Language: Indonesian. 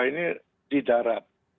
ini di darat